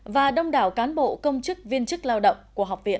và đông đảo cán bộ công chức viên chức lao động của học viện